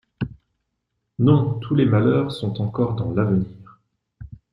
Non, tous les malheurs sont encore dans l’avenir.